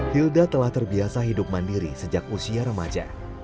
hilda telah terbiasa hidup mandiri sejak usia remaja